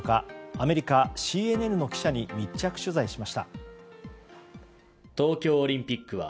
アメリカＣＮＮの記者に密着取材しました。